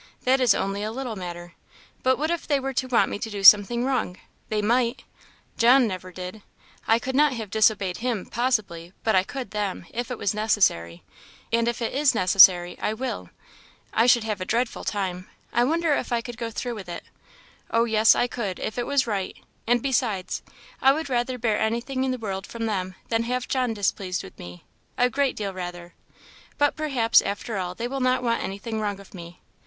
That is only a little matter. But what if they were to want me to do something wrong? they might; John never did I could not have disobeyed him, possibly! but I could them, if it was necessary and if it is necessary, I will! I should have a dreadful time I wonder if I could go through with it. Oh yes, I could, if it was right; and besides, I would rather bear anything in the world from them than have John displeased with me a great deal rather! But perhaps after all they will not want anything wrong of me.